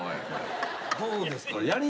どうですかね？